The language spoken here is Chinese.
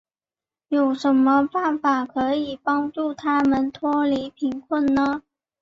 有什么方法可以帮助他们脱离贫穷呢。